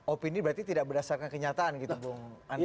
opini berarti tidak berdasarkan kenyataan gitu bung andri